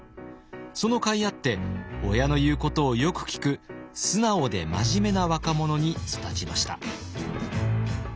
その甲斐あって親の言うことをよく聞く素直で真面目な若者に育ちました。